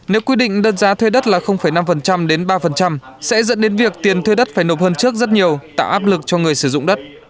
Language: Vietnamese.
nếu quy định đơn giá thuê đất là năm đến ba sẽ dẫn đến việc tiền thuê đất phải nộp hơn trước rất nhiều tạo áp lực cho người sử dụng đất